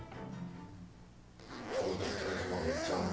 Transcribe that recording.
とうとう提訴までいっちゃうんだ。